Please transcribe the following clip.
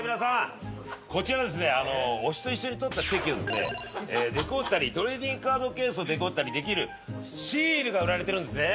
こちら推しと一緒に撮ったチェキをデコったりトレーディングカードケースをデコったりできるシールが売られてるんですね。